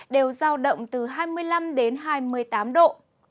đều giao động từ hai mươi năm đến hai mươi tám độ